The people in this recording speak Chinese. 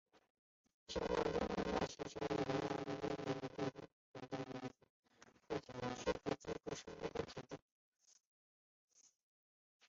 香港中文大学手语及聋人研究中心推行手语双语的模式获多间机构的支持和肯定。